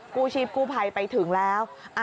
กู้ชีพกู้ภัยไปถึงแล้ว